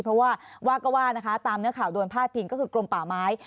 เพราะว่าว่าก็ว่านะคะตามเนื้อข่าวโดนพาดพิงก็คือกรมป่าไม้